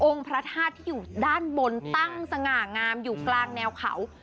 พระธาตุที่อยู่ด้านบนตั้งสง่างามอยู่กลางแนวเขา